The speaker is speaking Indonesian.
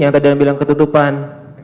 yang tadi anda bilang ketutupan